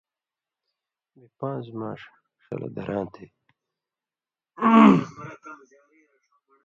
بے پانز مانڜ ڜلہ دھراتے۔